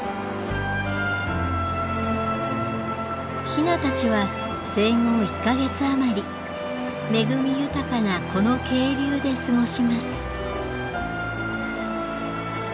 ヒナたちは生後１か月余り恵み豊かなこの渓流で過ごします。